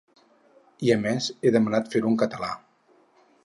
I a més, ha demanat fer-ho en català.